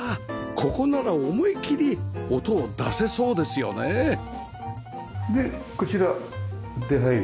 ここなら思いきり音を出せそうですよねでこちら出入りできるというか。